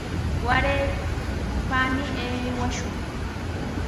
Waray payman aywashun.